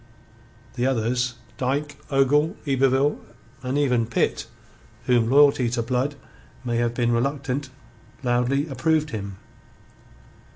The others Dyke, Ogle, Yberville, and even Pitt, whom loyalty to Blood may have made reluctant loudly approved him.